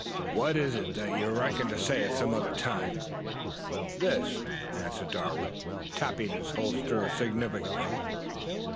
What is it that you reckon to say at some other time?" "This," answered Darwood, tapping his holster significantly.